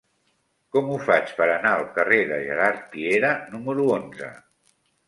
Com ho faig per anar al carrer de Gerard Piera número onze?